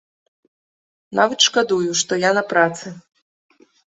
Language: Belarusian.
Нават шкадую, што я на працы.